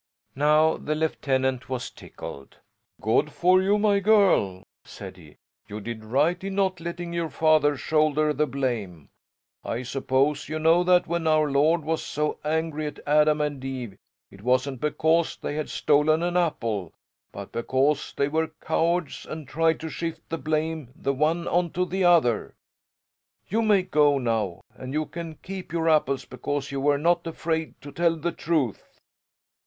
Now the lieutenant was tickled. "Good for you, my girl!" said he. "You did right in not letting your father shoulder the blame. I suppose you know that when Our Lord was so angry at Adam and Eve it wasn't because they had stolen an apple, but because they were cowards and tried to shift the blame, the one onto the other. You may go now, and you can keep your apples because you were not afraid to tell the truth."